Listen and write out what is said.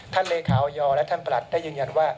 เลขาออยและท่านประหลัดได้ยืนยันว่า